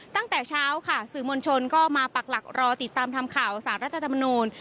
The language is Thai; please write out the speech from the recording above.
ตั้งแต่เช้าค่ะสื่อมวลชนก็มาปักหลักรอติดตามทำข่าวสารรัฐธรรมนูล